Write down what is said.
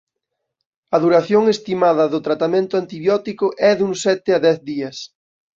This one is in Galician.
A duración estimada do tratamento antibiótico e duns sete a dez días.